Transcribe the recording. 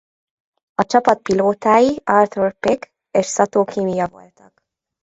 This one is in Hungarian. A csapat pilótái Arthur Pic és Szató Kimija voltak.